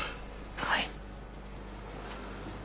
はい。